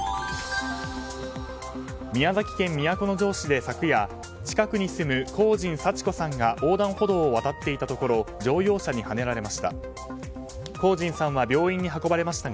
宮崎県都城市で昨夜近くに住む光神幸子さんが横断歩道を渡っていたところ乗用車にはねられました。